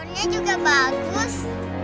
pornnya juga bagus